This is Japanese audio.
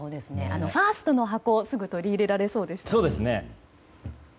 ファーストの箱はすぐ取り入れられそうでした。